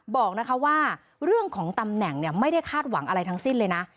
บอกนะคะว่าเรื่องของตำแหน่งไม่ได้คาดหวังอะไรทั้งสิ้นเลยนะ